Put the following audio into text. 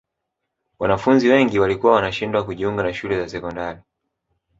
wanafunzi wengi walikuwa wanashindwa kujiunga na shule za sekondari